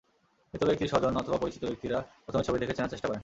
মৃত ব্যক্তির স্বজন অথবা পরিচিত ব্যক্তিরা প্রথমে ছবি দেখে চেনার চেষ্টা করেন।